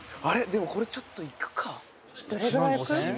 でもこれちょっといくか？」